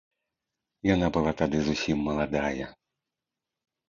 Яна была тады зусім маладая.